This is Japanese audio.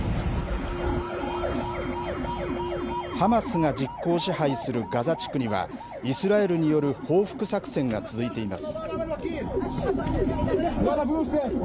ハマスが実効支配するガザ地区には、イスラエルによる報復作戦が続いています。